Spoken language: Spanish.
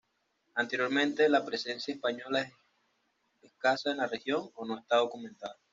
Anteriormente la presencia española es escasa en la región, o no está documentada.